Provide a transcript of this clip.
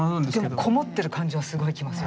でもこもってる感じはすごいきますよね